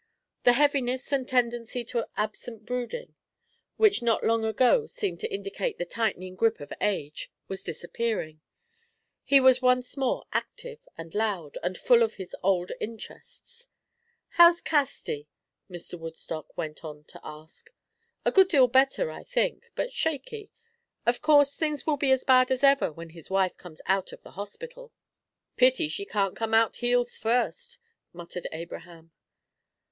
That heaviness and tendency to absent brooding which not long ago seemed to indicate the tightening grip of age, was disappearing; he was once more active and loud and full of his old interests. "How's Casti?" Mr. Woodstock went on to ask. "A good deal better, I think, but shaky. Of course things will be as bad as ever when his wife comes out of the hospital." "Pity she can't come out heels first," muttered Abraham.